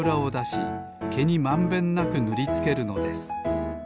しけにまんべんなくぬりつけるのです。